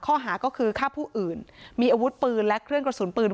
ข้อหาก็คือฆ่าผู้อื่นมีอาวุธปืนและเครื่องกระสุนปืน